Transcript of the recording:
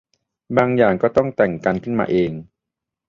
บางอย่างก็ต้องแต่งกันขึ้นมาเอง